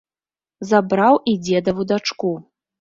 Забраў і дзедаву дачку.